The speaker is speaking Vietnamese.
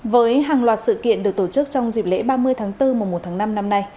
với hàng loạt sự kiện được tổ chức trong dịp lễ ba mươi tháng bốn mùa một tháng năm năm nay